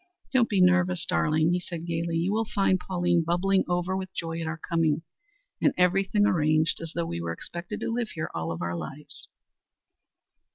"Don't be nervous, darling," he said gayly. "You will find Pauline bubbling over with joy at our coming, and everything arranged as though we were expected to live there all our lives."